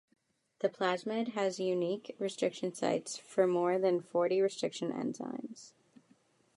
The plasmid has unique restriction sites for more than forty restriction enzymes.